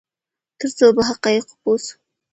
ترڅو په حقایقو پوه شو.